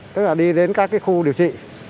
tức là đi đến các khu điều trị